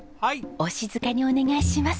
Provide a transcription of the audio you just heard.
お静かにお願いします。